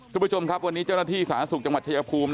ทุกผู้ชมครับวันนี้เจ้าหน้าที่สารสุขจังหวัดชฯ